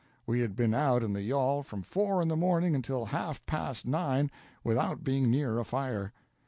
We had been out in the yawl from four in the morning until half past nine without being near a fire.